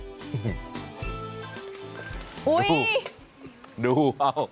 โอ๊ยดู